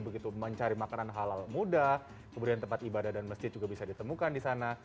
begitu mencari makanan halal mudah kemudian tempat ibadah dan masjid juga bisa ditemukan di sana